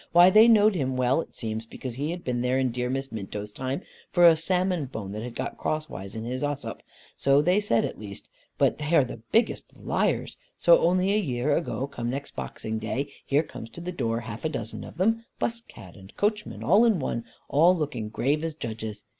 Why, they knowed him well it seems, because he had been there in dear Miss Minto's time, for a salmon bone that had got crossways in his oesop, so they said at least, but they are the biggest liars so only a year ago come next Boxing day, here comes to the door half a dozen of them, bus cad and coachman all in one, all looking as grave as judges.